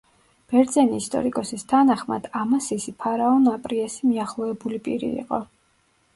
ბერძენი ისტორიკოსის თანახმად, ამასისი ფარაონ აპრიესი მიახლოვებული პირი იყო.